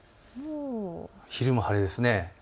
昼も晴れですね。